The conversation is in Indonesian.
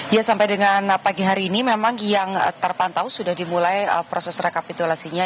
ya sampai dengan pagi hari ini memang yang terpantau sudah dimulai proses rekapitulasinya